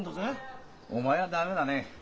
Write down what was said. お前は駄目だね。